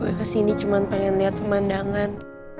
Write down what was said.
gue ke sini cuma pengen lihat pemandangan